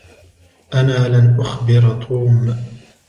أنا لن أخبر توم.